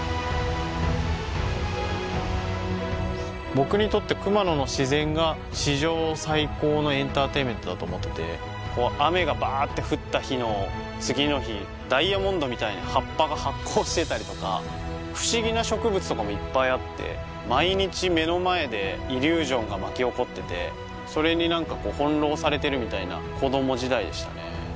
僕にとって熊野の自然が史上最高のエンターテインメントだと思ってて雨がバーッて降った日の次の日ダイヤモンドみたいに葉っぱが発光していたりとか不思議な植物とかもいっぱいあって毎日目の前でイリュージョンが巻き起こっててそれになんか翻弄されてるみたいな子供時代でしたね